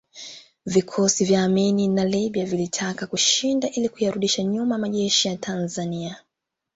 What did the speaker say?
Vikosi vya Amin na Libya vilkitaka kushinda ili kuyarudisha nyuma majeshi ya Tanzania